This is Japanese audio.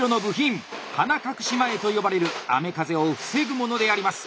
鼻隠し前と呼ばれる雨風を防ぐものであります。